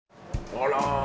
あら！